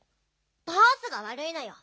バースがわるいのよ。